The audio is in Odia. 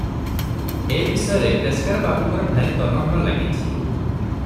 ଏ ବିଷୟରେ ପେସ୍କାର ବାବୁଙ୍କର ଭାରି ତନଘନ ଲାଗିଛି ।